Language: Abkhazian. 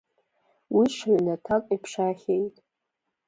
Уи ҽа ҩнаҭак иԥшаахьеит…